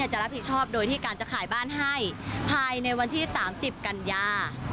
จะรับผิดชอบโดยที่การจะขายบ้านให้ภายในวันที่๓๐กันยา